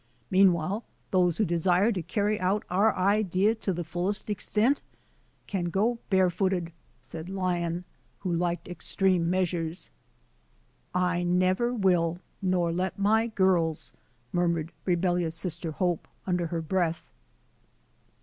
Meanwhile, those who desire to j carry out our idea to the fullest extent can go ' barefooted," said Lion, who liked extreme meas ures. " I never will, nor let my girls," murmured re bellious Sister Hope, under her breath.